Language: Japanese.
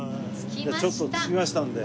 じゃあちょっと着きましたんで。